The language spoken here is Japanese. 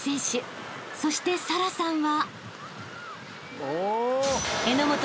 ［そして沙羅さんは］